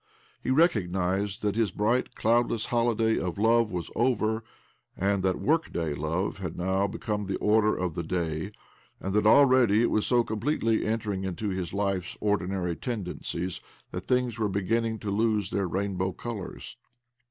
He recognized that his bright, cloudless holiday of love was over, and that workaday love had now become the order of the day, and that already it was so coml pletely entering into his life's ordinary tendencies that things were beginning to lose their rainbow colours.